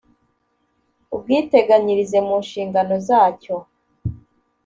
ubwiteganyirize mu nshingano zacyo